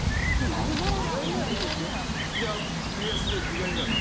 日帰りなら。